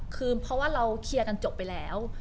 คือเพราะว่าเราเคลียร์กันจบไปแล้ว